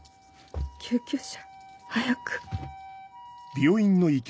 救急車早く。